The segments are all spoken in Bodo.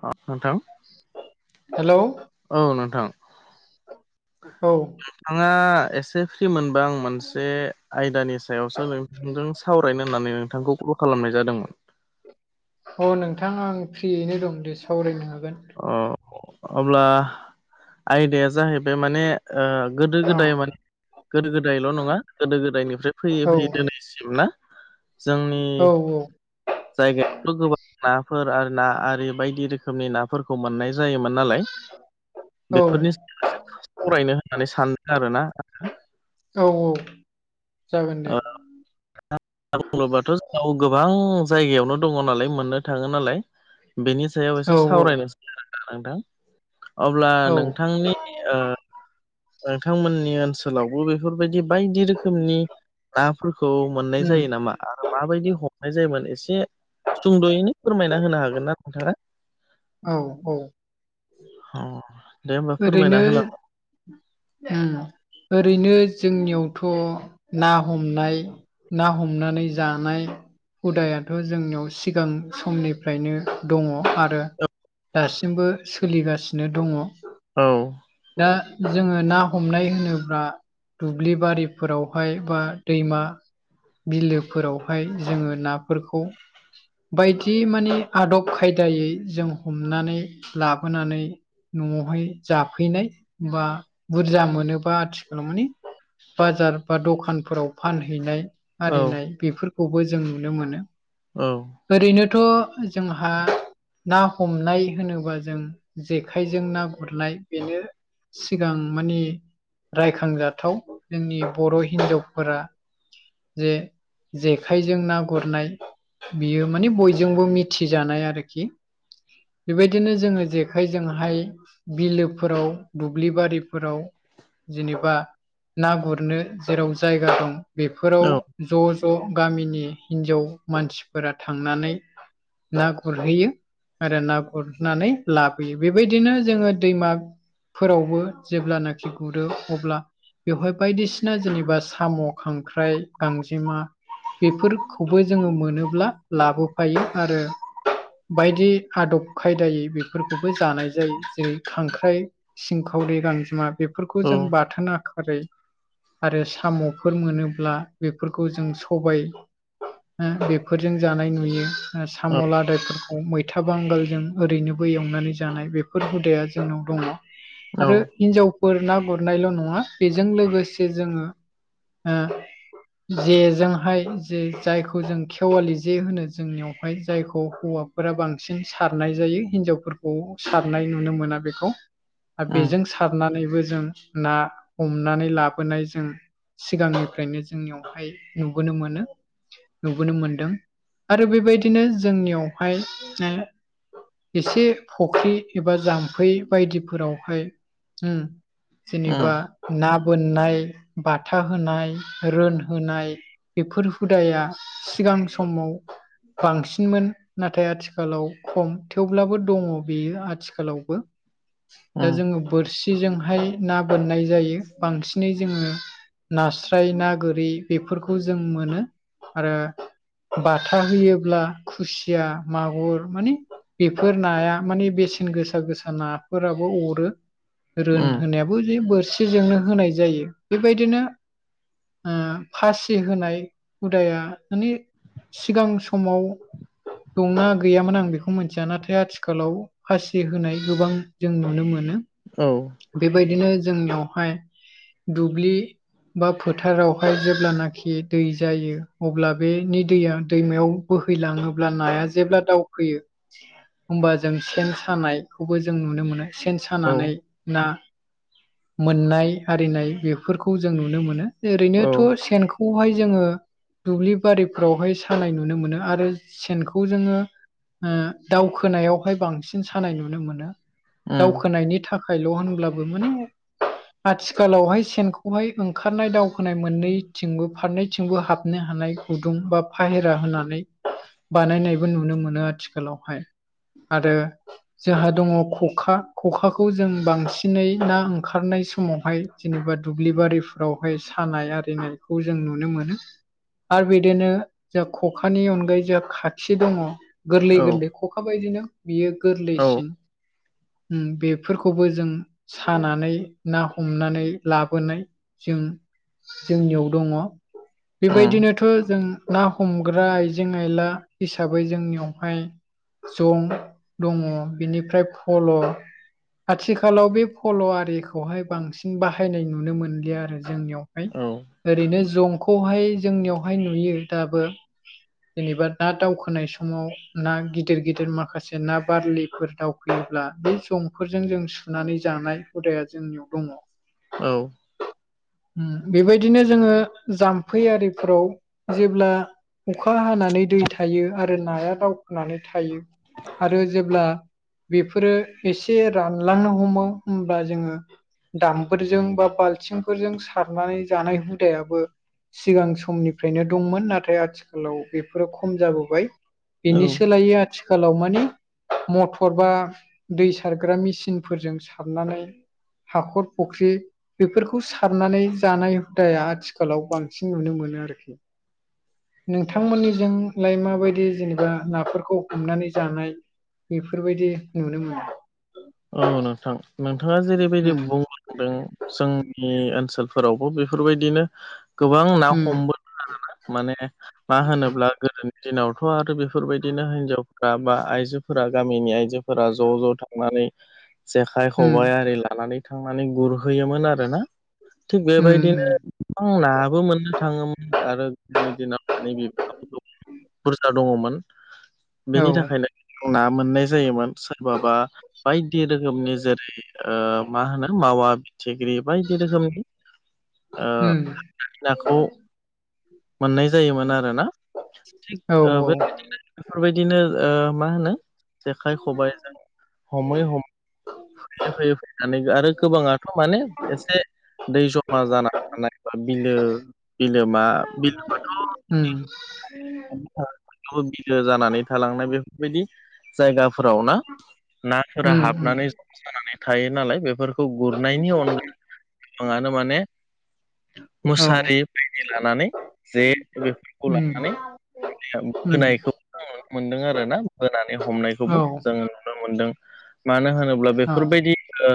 अ नोंथां। हेल'औ, औ नोंथां औ नोंथाङा एसे फ्रि मोनबा आं मोनसे आयदानि सायावसो नोंथांजों सावरायनो होननानै नोंथांखौ कल खालामनाय जादोंमोन। अ नोंथां आं फ्रियैनो दं दे सावरायनो हागोन। अ अब्ला आयदाया जाहैबाय माने गोदो गोदाय माने गोदो गोदायल' नङा गोदो गोदायनिफ्राय फैयै औ फैयै दिनैसिम ना जोंनि औ जायगायावथ' गोबां नाफोर आरो ना आरि बायदि रोखोमनि नाफोरखौ मोननाय जायोमोन नालाय। औ बेफोरनि सायाव सावरायनो होननानै सानदों आरोना आङो औ औ जागोन दे। बुङोबाथ' जोंनाव गोबां जायगायावनो दङ नालाय मोननो थाङो नालाय बेनि सायाव औ एसे औ सावरायनोसै आरोना नोंथां अब्ला औ नोंथांनि ओ नोंथांमोननि ओनसोलावबो बेफोरबायदि बायदि रोखोमनि नाफोरखौ मोननाय उम जायो नामा आरो माबायदि हमनाय जायोमोन एसे सुंद'यैनो फोरमायना होनो हागोन ना नोंथाङा? औ औ औ औ ओरैनो ओ ओरैनो जोंनियावथ' ना हमनाय। ना हमनानै जानाय। हुदायाथ' जोंनियाव सिगां समनिफ्रायनो दङ। आरो दासिमबो सोलिगासिनो दङ। औ दा जोङो ना हमनाय होनोब्ला दुब्लि बारिफोरावहाय बा दैमा बिलोफोरावहाय जोङो नाफोरखौ बायदि माने आदब खायदायै जों हमनानै लाबोनानै न'आवहाय जाफैनाय बा बुरजा मोनोबा आथिखालाव माने बाजार बा दखानफोराव फानहैनाय औ आरिनाय बेफोर खौबो जों नुनो मोनो। औ। ओरैनोथ' जोंहा ना हमनाय होनोबा जों जेखाइजों ना गुरनाय बेनो सिगां माने रायखांजाथाव जोंनि बर' हिनजावफोरा जे जेखाइजों ना गुरनाय बियो माने बयजोंबो मिथिजानाय आरोखि। बेबायदिनो जोङो जेखाइजोंहाय बिलोफोराव दुब्लि बारिफोराव जेनेबा ना गुरनो जेराव जायगा दं बेफोराव औ ज' ज' गामिनि हिनजाव मानसिफोरा थांनानै ना गुरहैयो आरो ना गुरनानै लाबोयो बेबायदिनो जोङो दैमाफोरावबो जेब्लानाखि गुरो अब्ला बेवहाय बायदिसिना जेनेबा साम' खांख्राइ गांजेमा बेफोरखौबो जोङो मोनोब्ला लाबोफायो आरो बायदि आदब खायदायै बेफोरखौबो जानाय जायो जेरै खांख्राइ सिंखावरि गांजेमा बेफोरखौ जों औ बाथोन आखारै आरो साम'फोर मोनोब्ला बेफोरखौ जों सबाय बेफोरजों जानाय नुयो साम'लादायफोरखौ मैथा बांगालजों ओरैनोबो एवनानै जानाय बेफोर हुदाया जोंनाव दङ औ आरो हिन्जावफोर ना गुरनायल' नङा बेजों लोगोसे जोङो ओ जेजोंहाय जे जायखौ जों खेवालि जे होनो जोंनियावहाय जायखौ हौवा फोरा बांसिन सारनाय जायो हिनजावफोरखौ सारनाय नुनो मोना बेखौ उम बेजों सारनानैबो जों ना हमनानै लाबोनाय जों सिगांनिफ्रायनो जोंनियावहाय नुबोनो मोनो नुबोनो मोनदों आरो बेबायदिनो जोंनियावहाय एसे फुख्रि एबा जाम्फै बायदिफोरावहाय उम जेनेबा ना बोननाय बाथा होनाय रोनहोनाय बेफोर हुदाया सिगां समाव बांसिनमोन नाथाय आथिखालाव खम थेवब्लाबो दङ बेयो आथिखालावबो दा उम जोङो बोरसिजोंहाय ना बोननाय जायो बांसिनै जोङो नास्राय ना गोरि बेफोरखौ जों मोनो आरो बाथा होयोब्ला खुसिया मागुर माने बेफोर नाया माने बेसेन गोसा गोसा नाफोराबो अरो उम रोनहोनाय बो जे बोरसिजोंनो होनाय जायो बेबायदिनो ओ फासि होनाय हुदाया माने सिगां समाव दंना गैयामोन आं बेखौ मिथिया नाथाय आथिखालाव फासि होनाय गोबां जों नुनो मोनो औ बेबायदिनो जोंनियावहाय दुब्लि बा फोथारावहाय जेब्लानाखि दै जायो अब्ला बेनि दैया दैमायाव बोहैलाङोब्ला नाया जेब्ला दावफैयो होमबा जों सेन सानायखौबो जों नुनो मोनो सेन औ सानानै ना मोननाय आरिनाय बेफोरखौ जों नुनो मोनो ओरैनोथ' औ सेनखौ खौहाय जोङो दुब्लि बारिफ्रावहाय सानाय नुनो मोनो आरो सेनखौ जोङो ओ दावखोनायावहाय बांसिन सानाय नुनो मोनो उम दावखोनायनि थाखाय थाखाइल' होनब्लाबो माने आथिखालावहाय सेनखौहाय ओंखारनाय दावखोनाय मोननैथिंबो फारनैथिंबो हाबनो हानाय गुदुं बा फाहेरा होनानै बानायनायबो नुनो मोनो आथिखालावहाय आरो जोंहा दङ खखा खखाखौ जों बांसिनै ना ओंखारनाय समावहाय जेनेबा दुब्लि बारिफोरावहाय सानाय आरिनाय खौ जों नुनो मोनो आरो बिदिनो जा खखानि अनगायै जा खाखि दङ गोरलै औ गोरलै खखा बायदिनो बियो गोरलैसिन उम बे बेफोरखौबो जों सानानै ना हमनानै लाबोनाय जों जोंनियाव दङ उम बेबायदिनोथ जों ना हमग्रा आइजें आयला हिसाबै जोंनियावहाय जं दङ बेनिफ्राय फल आथिखालाव बे फल आरिखौहाय बांसिन बाहायनाय नुनो मोनलिया आरो जोंनियावहाय ओरैनो जंखौहाय जोंनियावहाय नुयो दाबो जेनेबा ना दावखोनाय समाव ना गिदिर गिदिर माखासे ना बारलिफोर दावफैयोब्ला बै जं फोरजों जों सुनानै जानाय हुदाया जोंनियाव दङ औ उम बेबायदिनो जोङो जाम्फै आरिफ्राव जेब्ला अखा हानानै दै थायो आरो नाया दावखोननानै थायो आरो जेब्ला बेफोरो एसे रानलांनो हमो होमब्ला जोङो दामफोरजों बा बाल्थिंफोरजों सारनानै जानाय हुदायाबो सिगां समनिफ्रायनो दंमोन नाथाय आथिखालाव बेफोरो खम जाबोबाय बेनि औ सोलायै आथिखालाव माने मथर बा दै सारग्रा मेसिनफोरजों सारनानै हाखर फख्रि बेफोरखौ सारनानै जानाय हुदाया आथिखालाव बांसिन नुनो मोनो आरोखि नोंथांमोननिजोंलाय माबायदि जेनेबा नाफोरखौ हमनानै जानाय बेफोरबायदि नुनो मोनो औ नोंथां नोंथाङा जेरैबायदि उम बुंलांदों जोंनि ओनसोलफोरावबो बेफोरबायदिनो गोबां ना उम हमबोदों आरोना माने मा होनोब्ला गोदोनि दिनावथ आरो बेफोरबायदिनो हिनजावफोरा बा आइजोफोरा गामिनि आइजो फोरा ज' ज' थांनानै जेखाइ उम खबायाइ आरि लानानै थांनानै गुरहैयोमोन आरोना थिग बेबायदिनो उम उम गोबां नाबो मोननो थाङोमोन आरो गोदोनि दिनाव [unintelligible] बुरजा दङमोन औ बेनि थाखायनो ना मोननाय जायोमोन सोरबाबा बायदि रोखोमनि जेरै मा होनो मावा फिथिख्रि बायदि रोखोमनि उम नाखौ मोननाय जायोमोन आरोना थिग औ बेबायदिनो बेफोरबायदिनो ओ मा होनो जेखाइ खबाइजों हमै हमै फैयै फैयै फैनानै आरो गोबाङाथ माने एसे दै जमा जानानै‌ थानाय बा बिलो बिलोमा बिलोमाथ उम [unintelligible] बिलो जानानै थालांनाय बेफोरबायदि जायगाफोराव ना नाफोरा उम हाबनानै ज जानानै थायो नालाय बेफोरखौ गुरनायनि अनगायैबो गोबाङानो माने औ मुसारि बायदि लानानै जे बेफोरखौ उम लानानै [unintelligible] उम होनायखौ नुनो मोनदों आरोना बोनानै हमनायखौबो औ जोङो नुनो मोनदों मानो होनोब्ला अ बेफोरबायदि ओ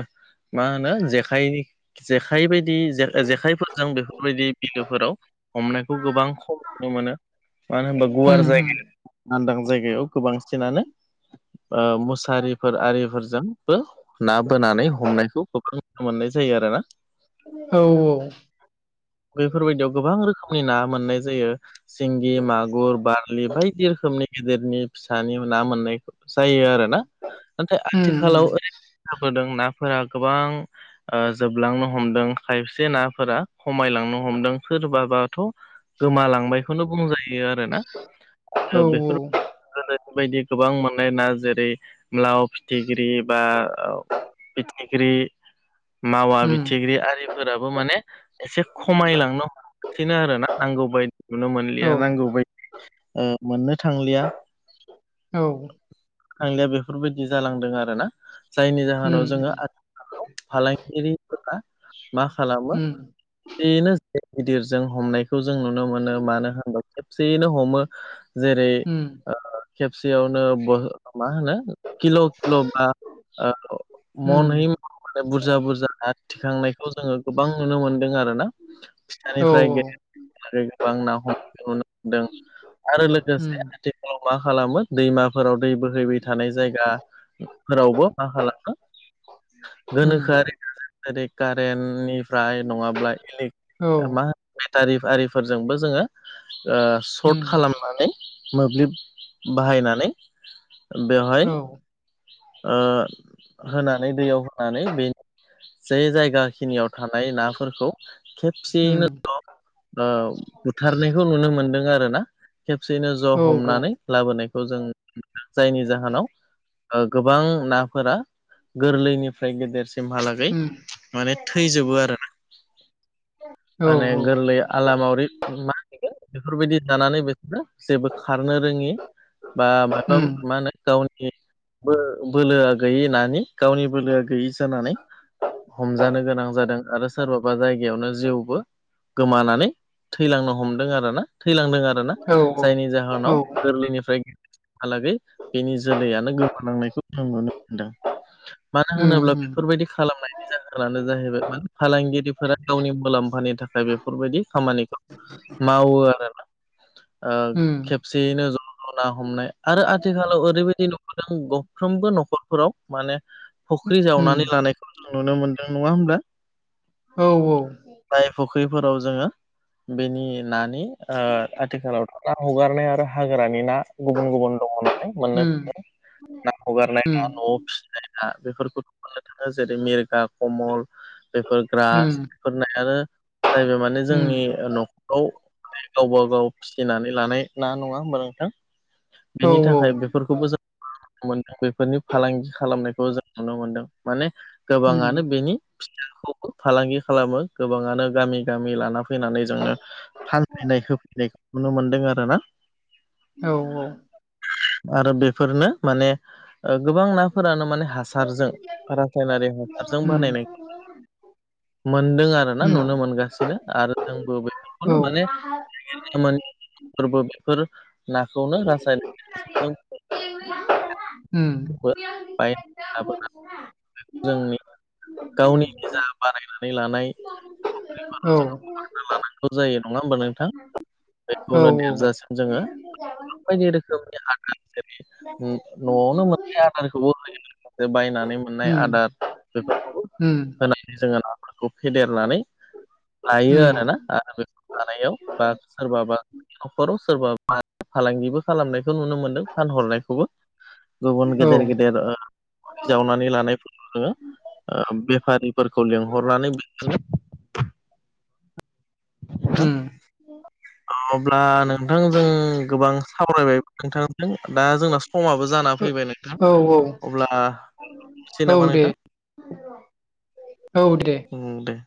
मा होनो जेखाइ जेखाय बायदि जे जेखायफोरजों बे फोरबायदि बिलोफोराव हमनायखौ गोबां खम नुनो मोनो मानो होनबा गुवार उम उम जायगायाव लदां जायगायाव गोबांसिनानो ओ मुसारिफोर आरिफोरजों बो ना बोनानै हमनायखौ गोबां नुनो मोननाय जायो आरोना औ औ बेफोरबायदियाव गोबां रोखोमनि ना मोननाय जायो सिंगि मागुर बारलि बायदि रोखोमनि गेदेरनि फिसानि ना मोननायखौ जायो आरो ना नाथाय उम उम आथिखालाव ओरैबायदि जाबोदों नाफोरा गोबां ओ जोब जोबलांनो हमदों खायसे नाफोरा खमायलांनो हमदों सोरबाबाथ' गोमालांबायखौनो बुंजायो आरो ना आरो औ बेफोरबाय औ गोदोनि बायदि गोबां मोननाय ना जेरै लाव फिथिख्रि बा फिथिख्रि माव उम फिथिग्रि आरिफोराबो माने एसे खमायलांनो हम गासिनो आरो ना नांगौ बायदि नुनो मोनलिया औ नांगौ बायदि मोननो थांलिया औ थांलिया बेफोरबायदि जालांदों आरो ना जायनि जाहोनाव जोङो उम [unintelligible] फालांगिरिफोरा मा खालामो उम बेनो गिदिर गिदिरजों हमनायखौ जों नुनो मोनो मानो होनबा खेबसेयैनो हमो जेरै उम ओ बेयावनो ब मा होनो किल' किल' बा ओ उम मन‌है माने बुरजा बुरजा ना थिखांनायखौ जोङो गोबां नुनो मोनदों आरो ना औ फिसानिफ्राय गेदेर आरो गोबां ना हमनाय नुनो मोनदों आरो लोगोसे उम आथिखालाव मा खालामो दैमाफोराव दै बोहैबाय थानाय जायगा फोरावबो मा खालामो उम गोनोखोआरि जेरै कारेन्टनिफ्राय नङाब्ला इलेक औ मा होनो बेटारि आरिफोरजोंबो जोङो उम सर्ट खालामनानै मोब्लिब बाहायनानै बेवहाय औ होनानै दैयाव होनानै बे जे जायगाखिनियाव थानाय नाफोरखौ उम खेबसेयैनो ज' बुथारनायखौ नुनो मोनदों आरोना खेबसेयैनो ज' औ औ हमनानै लाबोनायखौ जों जायनि जाहोनाव गोबां नाफोरा गोरलैनिफ्राय गेदेरसिन हालागै माने थैजोबो आरो माने गोरलै आला मावरि मा होनदों बेफोरबायदि जानानै बेखौ जेबो खारनो रोङि बा मायबा उम मा होनो गावनि बो बोलोआ गैयि नानि गावनि बोलोआ गैयि जानानै हमजानो गोनां जादों आरो सोरबाबा जायगायावनो जिउ गोमानानै थैलांनो हमदों आरोना थैलांदों आरोना औ उम औ जायनि जाहोनाव औ गोरलैनिफ्राय गेदेरसिमहालागै बेनि जोलैयानो गोमालांनायखौ जों नुनो मोनदों मानो उम होनोब्ला बेफोरबायदि खालामनायनि जाहोनानो जाहैबाय मा फालांगिरिफोरा गावनि मुलाम्फा मुवानि थाखाय बेफोरबायदि खामानिखौ मावो आरोना ओ उम खेबसेयैनो ज' ना हमनाय आरो आथिखालाव ओरैबायदि नुबोदों गंफ्रोमबो न'खरफोराव माने फुख्रि उम जावनानै लानायखौ जों नुनो मोनदों नङा होमब्ला औ औ फ्राय फुख्रिफोराव जोङो बेनि नानि आथिखालावथ' ना हगारनाय आरो हाग्रानि ना गुबुन गुबुन दङ' नालाय मोननो उम थांङो ना हगारनाय ना उम न'आव फिसिनाय ना बेफोरखौ मोननो थाङो जेरै मिरगा कमल बेफोर उम ग्रासफोर नायानो जाहैबाय माने उम जोंनि न'खराव गावबा गाव फिसिनानै लानाय ना नङा होमबा नोंथां औ बिनि थाखाय औ बे बेफोरखौबो जों नुनो मोनदों बेफोरनि फालांगि खालामनायखौ जों नुनो मोनदों माने उम गोबाङानो बेनि फिथाइखौबो फालांगि खालामो गोबाङानो गामि गामि लाना फैनानै जोङो फानफैनाय होफैनायखौ नुनो मोनदों आरो ना औ औ आरो बेफोरनो माने गोबां नाफोरानो माने हासारजों रासायनारि ह हारजों उम बानायनायखौ मोनदों आरो ना उम नुनो मोनगासिनो आरो जोंबो बेखौनो औ माने मोन फोरबो बेफोर नाखौनो रासायन [unintelligible] जोंनि गावनि निजा बारानायनानै लानाय [unintelligible] उम लानांगौ जायो नङा होमबा नोंथां औ बेखौनो औ औ देरजासिम जोङो माबायदि रोखोमनि आदार जेरै न'आवनो मोनसे आदारखौबो होयो बायनानै मोननाय उम आदार बेफोरखौ उम होनानै जोङो नाफोरखौ फेदेरनानै लायो आरोना आरो बेखौ लानायाव बा सोरबाबा न'खराव सोरबा फालांगिबो खालामनायखौ नुनो मोनदों फानहरनायखौबो गुबुन गेदेर उम औ गेदेर ओ जावनानै लानाय जोङो बेफारिफोरखौ लिंहरनानै बि हा उम औ अब्ला नोंथांजों गोबां सावरायबाय नोंथांजों दा जोंना समाबो जानाना ओ- फैबाय न औ औ अब्ला दोनथ'सै औ नामा दे नोंथां औ दे उम दे